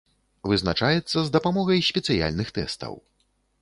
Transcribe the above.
Вызначаецца з дапамогай спецыяльных тэстаў.